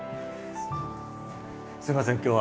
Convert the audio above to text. すいません今日は。